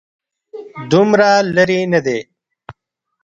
دومره لرې نه دی.